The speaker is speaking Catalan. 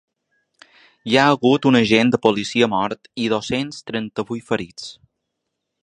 Hi ha hagut un agent de policia mort i dos-cents trenta-vuit ferits.